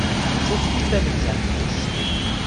تو خوب به نظر می رسی.